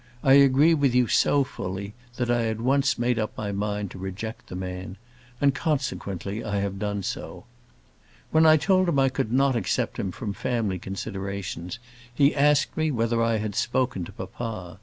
I agree with you so fully, that I at once made up my mind to reject the man; and, consequently, I have done so. When I told him I could not accept him from family considerations, he asked me whether I had spoken to papa.